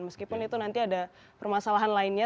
meskipun itu nanti ada permasalahan lainnya